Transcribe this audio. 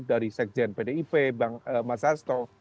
dari sekjen pdip bang masastro